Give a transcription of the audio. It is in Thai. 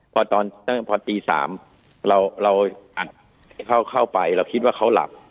พอตอนตั้งแต่พอตีสามเราเราเข้าเข้าไปเราคิดว่าเขาหลับ